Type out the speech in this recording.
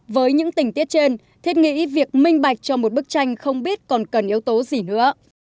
với những tình tiết trên thiết nghĩ việc minh bạch cho một bức tranh không biết còn cần yếu tố gì nữa